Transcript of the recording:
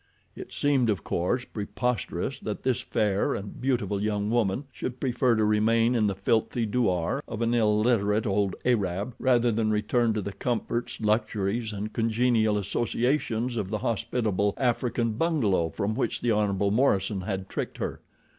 It seemed, of course, preposterous that this fair and beautiful young woman should prefer to remain in the filthy douar of an illiterate old Arab rather than return to the comforts, luxuries, and congenial associations of the hospitable African bungalow from which the Hon. Morison had tricked her.